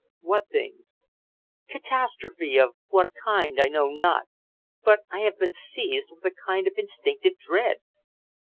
"What things?" "Catastrophe of what kind, I know not. But I have been seized with a kind of instinctive dread."